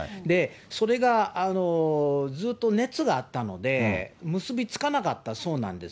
それがずっと熱があったので、結び付かなかったそうなんです。